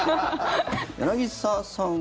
柳澤さんは。